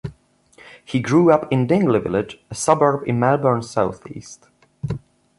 He grew up in Dingley Village, a suburb in Melbourne's South-East.